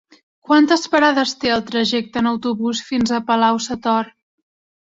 Quantes parades té el trajecte en autobús fins a Palau-sator?